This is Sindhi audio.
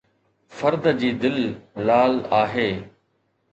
فرد جي دل لال آهي